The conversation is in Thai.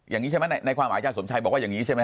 อย่างนี้ใช่ไหมในความหมายอาจารสมชัยบอกว่าอย่างนี้ใช่ไหม